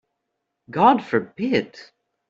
God forbid!